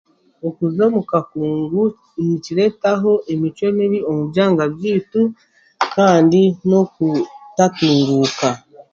Okuuza omu kakungu nikireetaho emicwe mibi omu byanga byaitu kandi n'obutatunguuka.